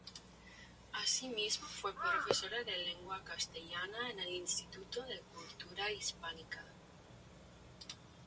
Asimismo fue profesora de lengua castellana en el Instituto de Cultura Hispánica.